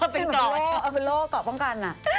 เป็นเหมือนโล่เกาะป้องกัน